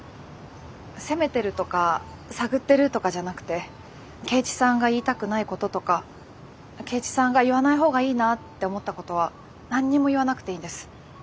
責めてるとか探ってるとかじゃなくて圭一さんが言いたくないこととか圭一さんが言わない方がいいなって思ったことは何にも言わなくていいんです。